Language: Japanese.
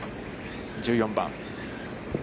１４番。